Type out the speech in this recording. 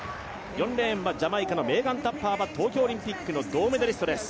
４レーンはジャマイカのメーガン・タッパー、東京オリンピックの金メダリストです。